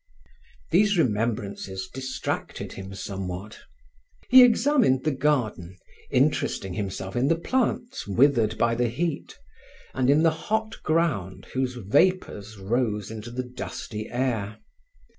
These remembrances distracted him somewhat. He examined the garden, interesting himself in the plants withered by the heat, and in the hot ground whose vapors rose into the dusty air.